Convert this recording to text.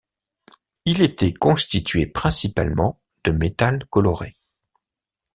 Il était constitué principalement de métal coloré.